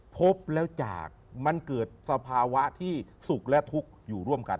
พบแล้วจากมันเกิดสภาวะที่สุขและทุกข์อยู่ร่วมกัน